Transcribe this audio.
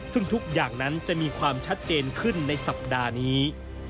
ซึ่งทุกอย่างนั้นจะมีความชัดเจนขึ้นในสัปดาห์นี้